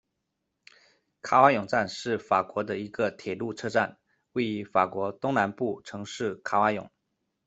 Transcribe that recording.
卡瓦永站是法国的一个铁路车站，位于法国东南部城市卡瓦永。